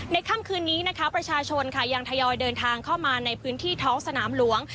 ค่ำคืนนี้นะคะประชาชนค่ะยังทยอยเดินทางเข้ามาในพื้นที่ท้องสนามหลวง